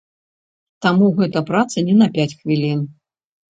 Таму гэта праца не на пяць хвілін.